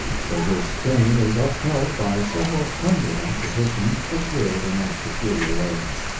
So this fane is upheld by several hundred acquisitions procured in that peculiar way.